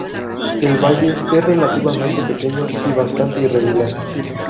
El valle es relativamente pequeño y bastante irregular.